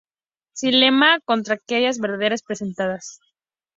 Xilema con traqueidas verdaderas presentes.